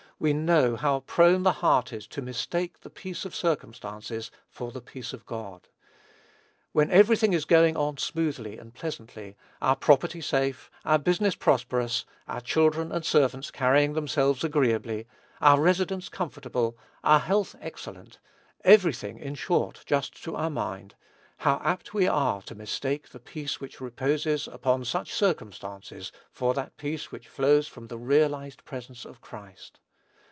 we know how prone the heart is to mistake the peace of circumstances for the peace of God. When every thing is going on smoothly and pleasantly, our property safe, our business prosperous, our children and servants carrying themselves agreeably, our residence comfortable, our health excellent, every thing, in short, just to our mind, how apt we are to mistake the peace which reposes upon such circumstances for that peace which flows from the realized presence of Christ.